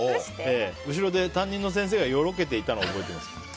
後ろで担任の先生がよろけていたのを覚えています。